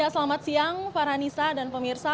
selamat siang farhanisa dan pemirsa